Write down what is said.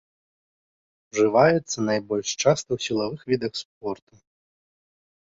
Ужываецца найбольш часта ў сілавых відах спорту.